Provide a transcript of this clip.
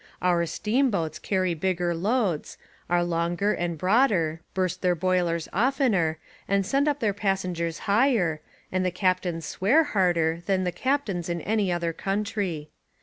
Our steamboats carry bigger loads, are longer and broader, burst their boilers oftener and send up their passengers higher, and the captains swear harder than the captains in any other country.